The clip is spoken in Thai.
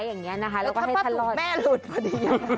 ถ้ามันหรูแม่หลุดพอดี